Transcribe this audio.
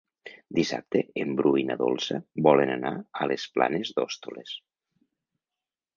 Dissabte en Bru i na Dolça volen anar a les Planes d'Hostoles.